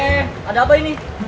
eh ada apa ini